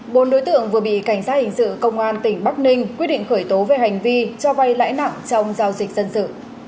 bốn đối tượng vừa bị cảnh sát hình sự công an tỉnh bắc ninh quyết định khởi tố về hành vi cho vay lãi nặng trong giao dịch dân sự